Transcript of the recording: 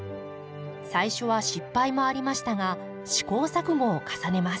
最初は失敗もありましたが試行錯誤を重ねます。